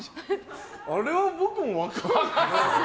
あれは僕も分からないです。